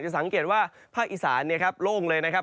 จะสังเกตว่าภาคอีสานเนี่ยครับโล่งเลยนะครับ